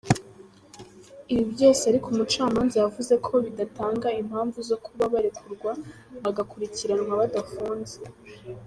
Ibi byose ariko umucamanza yavuze ko bidatanga impamvu zo kuba barekurwa bagakurikiranwa badafunze.